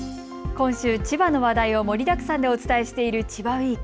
今週、千葉の話題を盛りだくさんでお伝えしている千葉ウイーク。